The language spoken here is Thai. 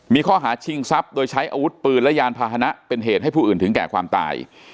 มีข้อหาชิงทรัพย์โดยใช้อาวุธปืนและยานพาหนะเป็นเหตุให้ผู้อื่นถึงแก่ความตาย